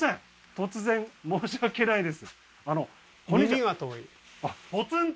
突然申し訳ないです